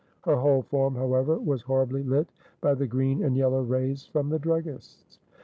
Her whole form, however, was horribly lit by the green and yellow rays from the druggist's.